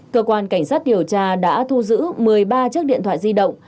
cơ quan cảnh sát điều tra đã thu giữ một mươi ba chiếc điện thoại di động